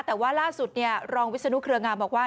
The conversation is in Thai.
แต่ว่าล่าสุดรองวิศนุเครืองามบอกว่า